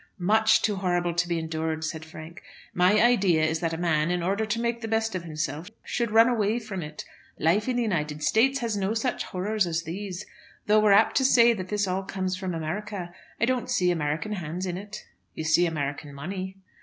"Much too horrible to be endured," said Frank. "My idea is that a man, in order to make the best of himself, should run away from it. Life in the United States has no such horrors as these. Though we're apt to say that all this comes from America, I don't see American hands in it." "You see American money."